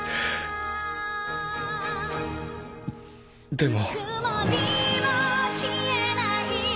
でも。